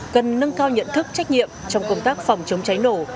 cần nâng cao nhận thức trách nhiệm trong công tác phòng chống cháy nổ